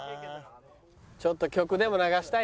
ちょっと曲でも流したいね。